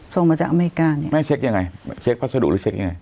ส่งมาจากอเมริกาเนี่ยแม่เช็คยังไงเช็คพัสดุหรือเช็คยังไง